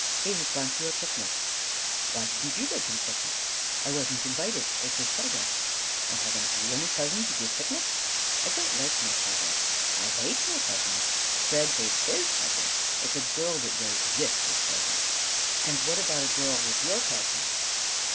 "He has gone to a picnic." "Why didn't you go to the picnic?" "I wasn't invited: it's his cousins'." "And haven't you any cousins who give picnics?" "I don't like my cousins: I hate my cousins: Fred hates his cousins: it's a girl that goes with his cousins." "And what about a girl with your cousins?"